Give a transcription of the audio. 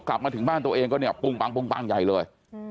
กลับมาถึงบ้านตัวเองก็เนี่ยปุ้งปังใหญ่เลย